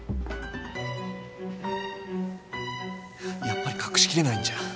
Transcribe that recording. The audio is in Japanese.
やっぱり隠しきれないんじゃ。